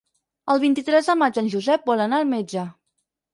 El vint-i-tres de maig en Josep vol anar al metge.